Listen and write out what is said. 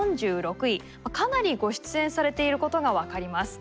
かなりご出演されていることが分かります。